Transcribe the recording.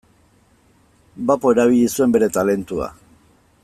Bapo erabili zuen bere talentua.